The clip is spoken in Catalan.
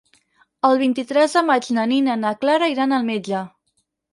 El vint-i-tres de maig na Nina i na Clara iran al metge.